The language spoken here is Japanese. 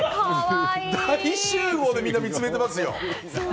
大集合でみんな見つめてますよ！